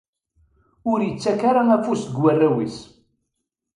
Ur ittak ara afus deg warraw-is.